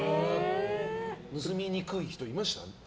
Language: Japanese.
盗みにくい人いました？